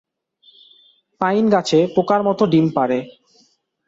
Pine গাছে পোকার মত ডিম পাড়ে।